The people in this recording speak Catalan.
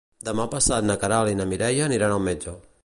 Demà passat na Queralt i na Mireia aniran al metge.